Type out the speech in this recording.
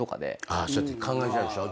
そうやって考えちゃうでしょ？